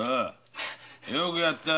よくやった。